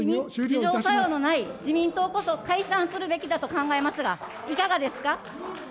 自浄作用のない自民党こそ解散するべきだと考えますが、いかがですか。